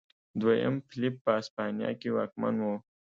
دویم فلیپ په هسپانیا کې واکمن و.